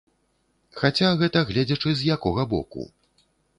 Хаця, гэта гледзячы з якога боку.